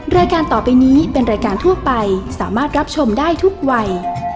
รายการต่อไปนี้เป็นรายการทั่วไปสามารถรับชมได้ทุกวัย